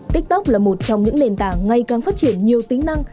tiktok là một trong những nền tảng ngày càng phát triển nhiều tính năng